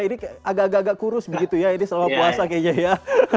ini agak agak kurus begitu ya ini selama puasa kayaknya ya